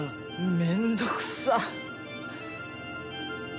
めんどくさっ。